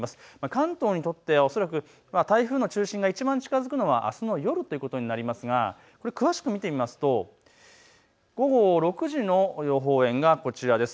関東にとって恐らく台風の中心がいちばん近づくのはあすの夜ということになりますがこれを詳しく見てみると午後６時の予報円がこちらです。